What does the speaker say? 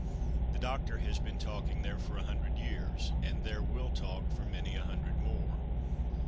' The Doctor has been talking there for a hundred years, and there will talk for many a hundred more.'